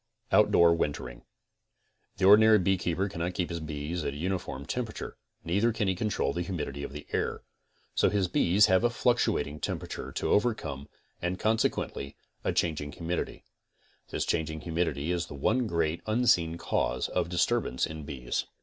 OUTDOOR WINTERING The ordinary beekeeper cannot keep his bees at a uniform temperature; neither can he control the humidity of the air. So his bees have a fluctuating temperature to overcome and con sequently a changing humidity. This'changing humidity is the cne great unseen cause of disturbance in bees.